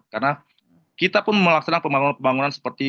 karena kita pun melaksanakan pembangunan pembangunan seperti